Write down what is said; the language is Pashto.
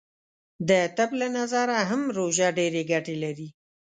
د طب له نظره هم روژه ډیرې ګټې لری .